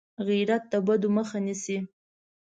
غیرت د بدو مخه نیسي